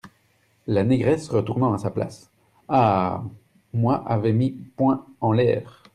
La Négresse , retournant à sa place. — Ah ! moi avais mis point en l’air !